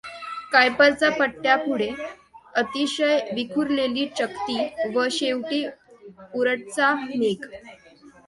कायपरचा पट्ट्यापुढे अतिशय विखुरलेली चकती व शेवटी ऊर्टचा मेघ.